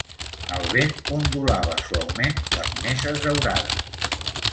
El vent ondulava suaument les messes daurades.